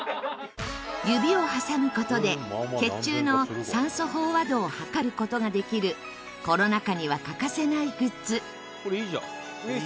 指を挟む事で血中の酸素飽和度を測る事ができるコロナ禍には欠かせないグッズ。